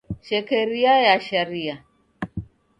Shekeria ya sharia.